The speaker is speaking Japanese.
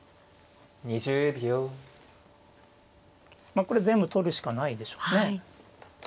まあこれ全部取るしかないでしょうね。